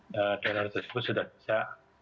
darah tersebut sudah bisa